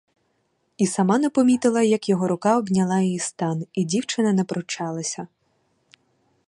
І сама не помітила, як його рука обняла її стан, і дівчина не пручалася.